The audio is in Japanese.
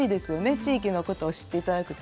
地域のことを知っていただくと。